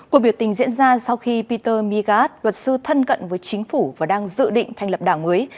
cuộc biểu tình diễn ra sau khi peter migas luật sư thân cận với chính phủ và đang dự định thành lập đảng mới